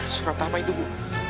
surat apa itu bu